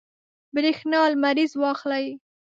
برېښنا لمریز واخلئ.